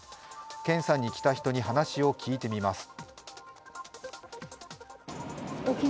検査に来た人に話を聞いてみます。